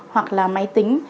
hoặc là máy tính